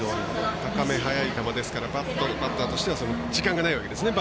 高め、速い球ですからバッターとしては時間がないんですね。